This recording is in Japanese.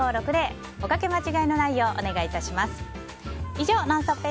以上ＮＯＮＳＴＯＰ！